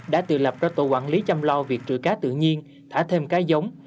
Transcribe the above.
đã tự lập ra tổ quản lý chăm lo việc trừ cá tự nhiên thả thêm cá giống